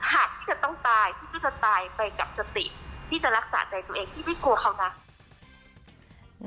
หากพี่จะต้องตายพี่ก็จะตายไปกับสติพี่จะรักษาใจตัวเองพี่ไม่กลัวเขานะ